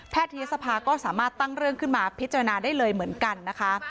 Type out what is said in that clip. ทยศภาก็สามารถตั้งเรื่องขึ้นมาพิจารณาได้เลยเหมือนกันนะคะ